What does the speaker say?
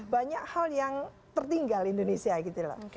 banyak hal yang tertinggal indonesia gitu loh